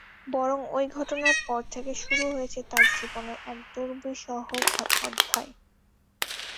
বরং ওই ঘটনার পর থেকে শুরু হয়েছে তাঁর জীবনের এক দুর্বিষহ অধ্যায়।